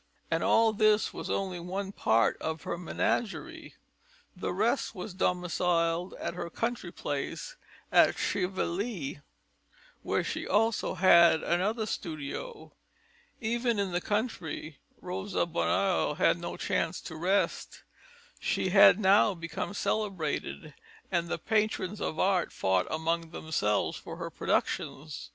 And all this was only one part of her menagerie; the rest was domiciled at her country place at Chevilly, where she also had another studio. Even in the country Rosa Bonheur had no chance to rest. She had now become celebrated, and the patrons of art fought among themselves for her productions.